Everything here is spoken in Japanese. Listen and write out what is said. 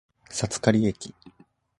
札苅駅